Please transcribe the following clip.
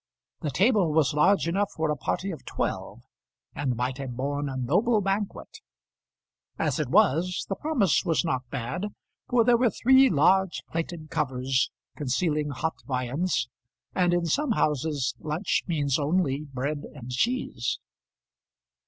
The table was large enough for a party of twelve, and might have borne a noble banquet; as it was the promise was not bad, for there were three large plated covers concealing hot viands, and in some houses lunch means only bread and cheese.